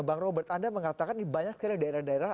bang robert anda mengatakan di banyak daerah daerah